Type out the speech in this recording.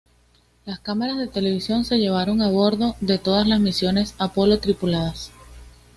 Las cámaras de televisión se llevaron a bordo de todas las misiones Apolo tripuladas.